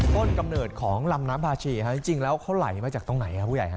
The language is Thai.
กำเนิดของลำน้ำพาชีจริงแล้วเขาไหลมาจากตรงไหนครับผู้ใหญ่ฮ